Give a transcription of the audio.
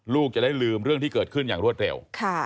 ลูกจะได้ลืมเรื่องที่เกิดขึ้นอย่างรวดเร็ว